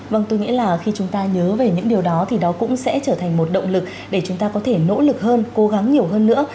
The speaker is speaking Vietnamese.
vâng tôi nghĩ là khi chúng ta nhớ về những điều đó thì đó cũng sẽ trở thành một động lực để chúng ta có thể nỗ lực hơn cố gắng nhiều hơn nữa